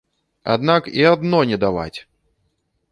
Аднак і адно не даваць!